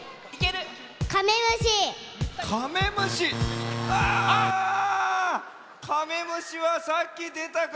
カメムシはさっきでたからアウト！